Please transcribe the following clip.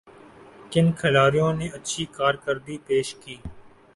کن کھلاڑیوں نے اچھی کارکردگی پیش کی